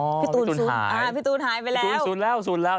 คลิปอ๋อพี่ตูนหายอ่าพี่ตูนหายไปแล้วสูญแล้วสูญแล้ว